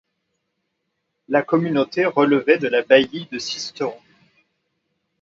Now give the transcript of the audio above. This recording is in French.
La communauté relevait de la baillie de Sisteron.